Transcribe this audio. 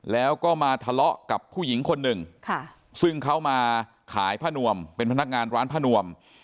แล้วก็มาทะเลาะกับผู้หญิงคนหนึ่งซึ่งเขามาขายผ้านวมเป็นพนักงานร้านผ้านวม